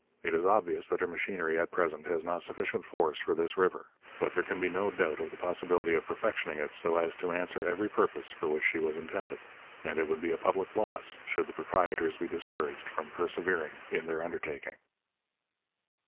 It is obvious that her machinery, at present, has not sufficient force for this River. But there can be no doubt of the possibility of perfectioning it so as to answer every purpose for which she was intended; and it would be a public loss should the proprietors be discouraged from persevering in their undertaking.